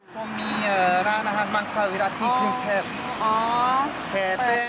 ผมมีร้านอาหารมังซาวิรัติที่กรุงเทพ